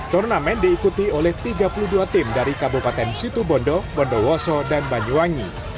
turnamen diikuti oleh tiga puluh dua tim dari kabupaten situbondo bondowoso dan banyuwangi